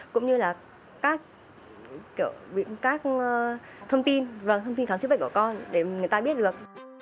cũng như là các thông tin và thông tin khám chức bệnh của con để người ta biết được